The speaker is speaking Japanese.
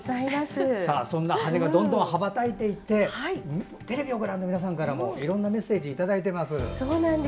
そんな羽がどんどん羽ばたいていってテレビをご覧の皆さんからもいろいろなメッセージをいただいています。